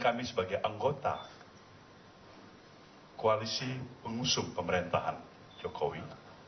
kami sebagai anggota koalisi pengusung pemerintahan jokowi